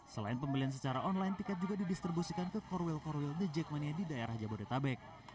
selain pembelian secara online tiket juga didistribusikan ke core will corwil the jackmania di daerah jabodetabek